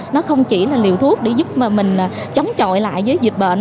nó không chỉ là liều thuốc để giúp mà mình chống chọi lại với dịch bệnh